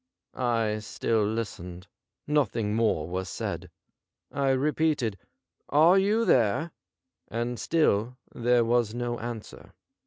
I still listened. Nothing more was said. I repeated, ' Are you there }' and still there was no answer.